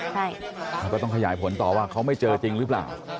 แล้วก็ต้องขยายผลต่อว่าเขาไม่เจอจริงหรือเปล่า